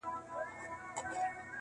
عدالت یې هر سړي ته وو منلی-